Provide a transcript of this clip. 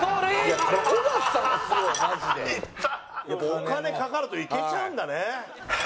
お金かかるといけちゃうんだね。